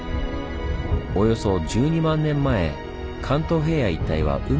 およそ１２万年前関東平野一帯は海の底でした。